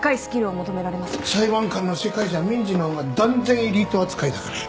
裁判官の世界じゃ民事の方が断然エリート扱いだから。